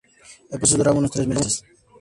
El proceso duraba unos tres meses.